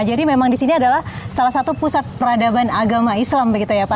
jadi memang di sini adalah salah satu pusat peradaban agama islam begitu ya pak